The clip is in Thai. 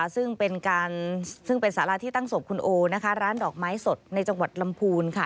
ซึ่งเป็นสาราที่ตั้งศพคุณโอร้านดอกไม้สดในจังหวัดลำพูน